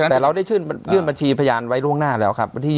แต่เราได้ยื่นบัญชีพยานไว้ล่วงหน้าแล้วครับ